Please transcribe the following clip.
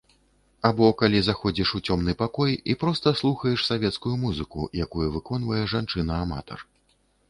Або калі заходзіш у цёмны пакой і проста слухаеш савецкую музыку, якую выконвае жанчына-аматар.